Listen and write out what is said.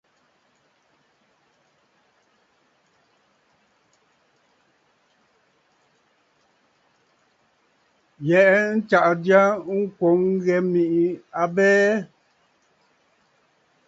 Yɛ̀ʼɛ̀ ntsaʼà jya ŋkwòŋ ŋghɛ mèʼê abɛɛ.